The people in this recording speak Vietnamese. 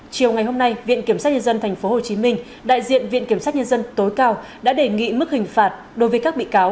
chiều ngày hôm nay viện kiểm sát nhân dân tp hồ chí minh đại diện viện kiểm sát nhân dân tối cao đã đề nghị mức hình phạt